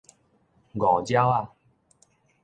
五爪仔